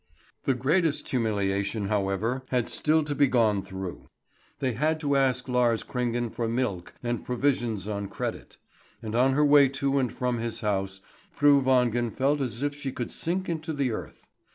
The greatest humiliation, however, had still to be gone through. They had to ask Lars Kringen for milk and provisions on credit; and on her way to and from his house Fru Wangen felt as if she could sink into the earth.